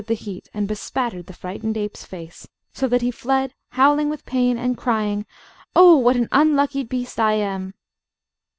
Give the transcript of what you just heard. the heat, and bespattered the frightened ape's face, so that he fled, howling with pain, and crying, "Oh! what an unlucky beast I am!"